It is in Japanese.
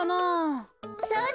そうだ！